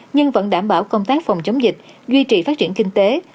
nhưng vẫn đảm bảo công tác phòng chống dịch duy trì phát triển kinh tế